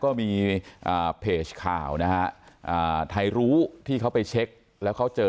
ก็มีเพจข่าวนะฮะไทยรู้ที่เขาไปเช็คแล้วเขาเจอ